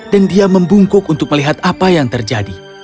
dan dia membungkuk untuk melihat apa yang terjadi